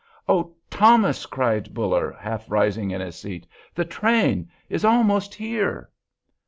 "Oh, Thomas!" cried Buller, half rising in his seat, "that train is almost here!"